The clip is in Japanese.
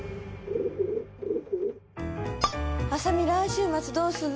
来週末どうすんの？